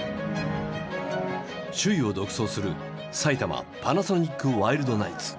首位を独走する埼玉パナソニックワイルドナイツ。